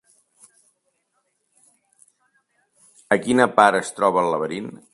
A quina part es troba el laberint?